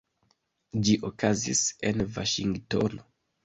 Ĝi okazis en Vaŝingtono.